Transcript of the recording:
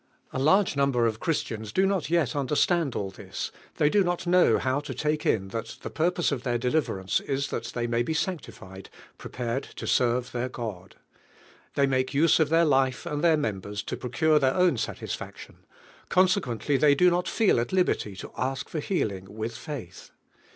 A large number of Christians do not yet understand all lliis, (ibey do not know DIVINE HEADING. how to lake in Hint the purpose of (heir deliverance is that they may be sancti tied, prepared to serve their God. They make use of their life and their members to procure llieir own satisfaction; conse quently they do not feel at liberty to ask fin healing with faith.